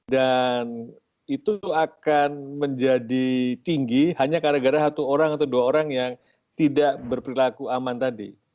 dan itu akan menjadi tinggi hanya karena satu atau dua orang yang tidak berperilaku aman tadi